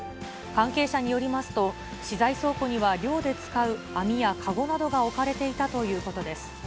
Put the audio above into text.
関係者によりますと、資材倉庫には漁で使う網や籠などが置かれていたということです。